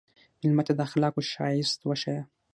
مېلمه ته د اخلاقو ښایست وښیه.